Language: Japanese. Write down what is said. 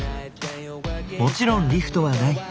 もちろんリフトはない。